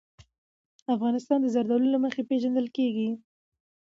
افغانستان د زردالو له مخې پېژندل کېږي.